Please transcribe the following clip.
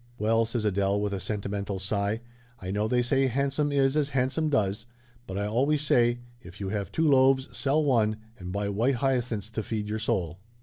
"Well," says Adele with a sentimental sigh, "I know they say handsome is as handsome does, but I always say, if you have two loaves, sell one, and buy white hyacinths to feed your soul."